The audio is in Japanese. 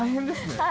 はい。